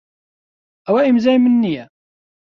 ئەوە ئیمزای من نییە.